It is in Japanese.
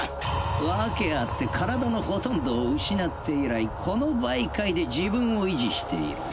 訳あって体のほとんどを失って以来この媒介で自分を維持している。